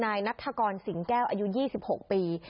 นายนัฐกรสิงแก้วอายุ๒๖ปี